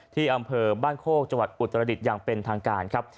ที่อำเภอบ้านโคกจอุตรฤษฎร์อย่างเป็นทางการครับ